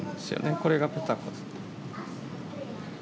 これがペタコ。